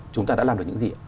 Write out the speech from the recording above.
chúng ta đã làm được những gì